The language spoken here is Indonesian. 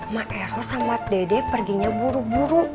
ma eros sama dede perginya buru buru